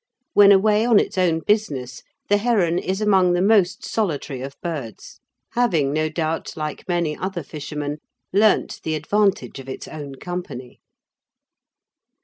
When away on its own business, the heron is among the most solitary of birds, having no doubt, like many other fishermen, learnt the advantage of its own company.